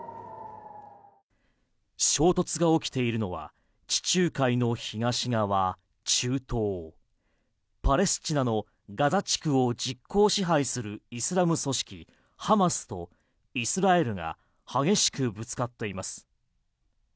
衝突が起きているのは地中海の東側中東、パレスチナのガザ地区を実効支配するイスラム組織ハマスとイスラエルが激しくぶつかっています。